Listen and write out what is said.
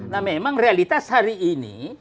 nah memang realitas hari ini